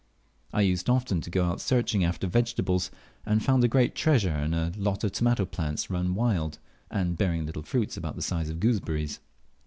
I used often to go out searching after vegetables, and found a great treasure in a lot of tomato plants run wild, and bearing little fruits about the size of gooseberries.